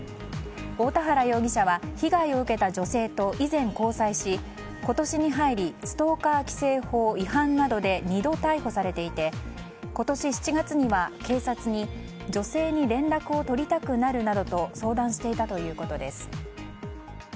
大田原容疑者は被害を受けた女性と以前、交際し今年に入りストーカー規制法違反などで２度逮捕されていて今年７月には警察に女性に連絡を取りたくなるなどと相談していたということです。